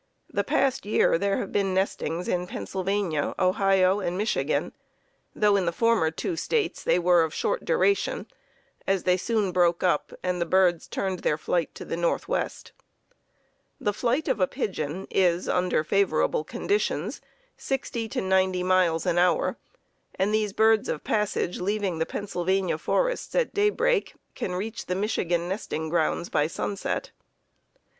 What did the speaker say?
The past year there have been nestings in Pennsylvania, Ohio and Michigan, though in the former two States they were of short duration, as they soon broke up and the birds turned their flight to the northwest. The flight of a pigeon is, under favorable conditions, sixty to ninety miles an hour, and these birds of passage leaving the Pennsylvania forests at daybreak can reach the Michigan nesting grounds by sunset.